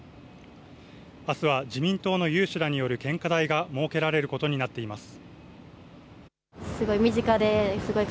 あすは自民党の有志らによる献花台が設けられることになっています。